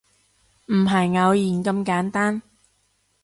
唔係偶然咁簡單